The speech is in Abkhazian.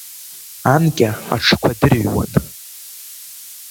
Анкьа аҽқәа дырыҩуан.